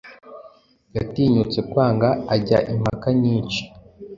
Yatinyutse kwanga ajya impaka nyinshi